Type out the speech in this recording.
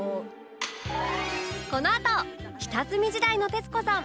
このあと下積み時代の徹子さん